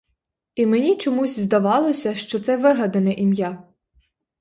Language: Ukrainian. І мені чомусь здавалося, що це вигадане ім'я.